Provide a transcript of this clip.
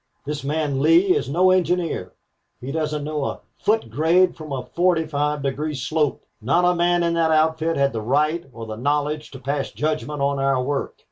This man. Lee is no engineer. He doesn't know a foot grade from a forty five degree slope. Not a man in that outfit had the right or the knowledge to pass judgment on our work.